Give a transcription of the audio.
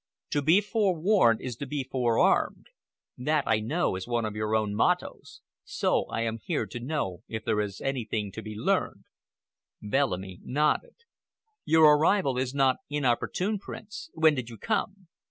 To be forewarned is to be forearmed. That, I know, is one of your own mottoes. So I am here to know if there is anything to be learned." Bellamy nodded. "Your arrival is not inopportune, Prince. When did you come?"